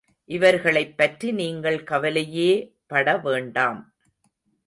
இவர்களைப் பற்றி நீங்கள் கவலையே படவேண்டாம்.